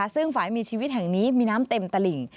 ซึ่งฝ่ายมีชีวิตแห่งนี้มีน้ำเต็มตลิ่ง